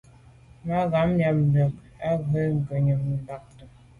Mangambe bə́ ɑ̂ yə̀k nzwe' ɑ́ gə́ yí gi shúnɔ̀m Batngub.